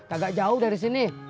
agak jauh dari sini